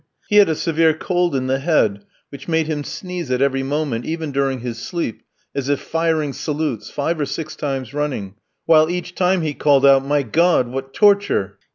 He had a severe cold in the head, which made him sneeze at every moment, even during his sleep, as if firing salutes, five or six times running, while each time he called out, "My God, what torture!"